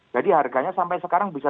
jadi harganya sampai sekarang bisa